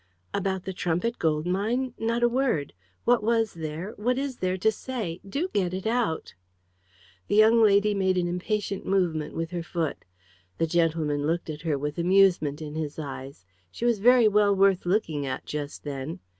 "About the Trumpit Gold Mine? Not a word. What was there, what is there to say? Do get it out!" The young lady made an impatient movement with her foot. The gentleman looked at her with amusement in his eyes. She was very well worth looking at just then.